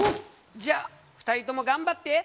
じゃあ２人とも頑張って。